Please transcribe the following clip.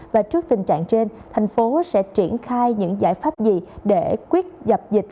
và trước tình trạng trên thành phố sẽ triển khai những giải pháp gì để quyết dập dịch